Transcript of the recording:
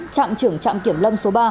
trạm trưởng trạm kiểm lâm số ba